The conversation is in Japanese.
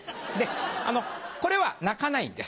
これは鳴かないんです。